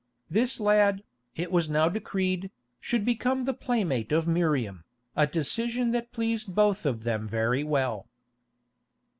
This lad, it was now decreed, should become the playmate of Miriam, a decision that pleased both of them very well.